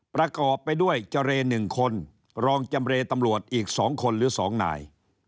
ประกอบไปด้วยเจร๑คนรองจำเรตำรวจอีก๒คนหรือ๒นาย